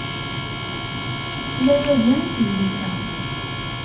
Tesla yagi i tezlit-a.